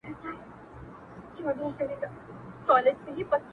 خوله يوه ښه ده، خو خبري اورېدل ښه دي.